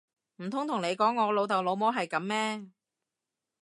唔通同你講我老豆老母係噉咩！